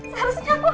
seharusnya aku hafal